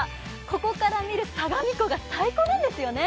ここから見る相模湖が最高なんですよね。